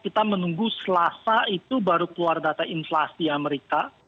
kita menunggu selasa itu baru keluar data inflasi amerika